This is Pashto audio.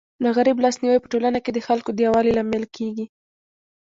د غریب لاس نیوی په ټولنه کي د خلکو د یووالي لامل کيږي.